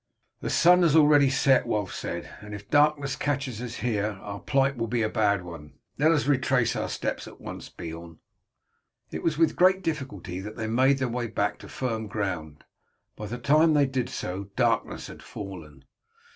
"The sun has already set," Wulf said, "and if darkness catches us here our plight will be a bad one. Let us retrace our steps at once, Beorn." It was with great difficulty that they made their way back to firm ground. By the time they did so darkness had fallen.